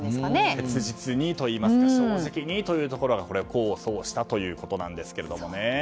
切実にといいますか正直にというところが功を奏したということなんですけれども。